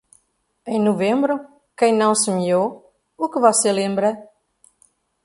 Em novembro, quem não semeou, o que você lembra?